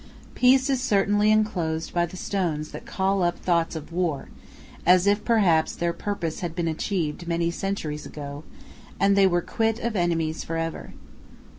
Peace is certainly inclosed by the stones that call up thoughts of war, as if, perhaps, their purpose had been achieved many centuries ago, and they were quit of enemies for ever.